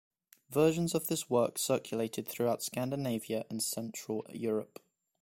Versions of this work circulated throughout Scandinavia and Central Europe.